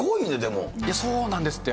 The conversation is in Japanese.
そうなんですって。